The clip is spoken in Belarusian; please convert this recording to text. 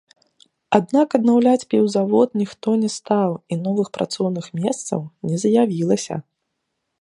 Аднак аднаўляць піўзавод ніхто не стаў, і новых працоўных месцаў не з'явілася.